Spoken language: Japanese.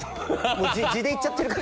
地で行っちゃってる感じ。